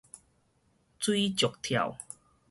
水石跳